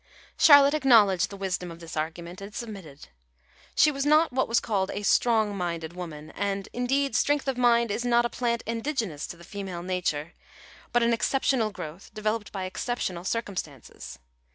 Charlotte acknowledged the wisdom of this argument, and submitted. She was not what was called a strong minded woman; and, indeed, strength of mind is not a plant indigenous to the female nature, but an exceptional growth developed by exceptional circumstances.